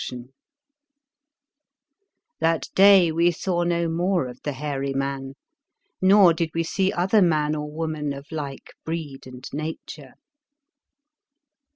44 The Fearsome Island That day we saw no more of the hairy man, nor did we see other man or woman of like breed and nature.